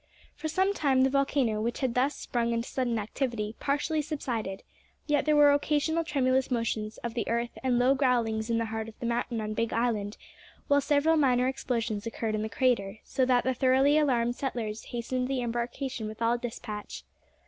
For some time the volcano, which had thus sprung into sudden activity, partially subsided, yet there were occasional tremulous motions of the earth and low growlings in the heart of the mountain on Big Island, while several minor explosions occurred in the crater, so that the thoroughly alarmed settlers hastened the embarkation with all despatch.